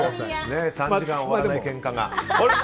３時間終わらないけんかが。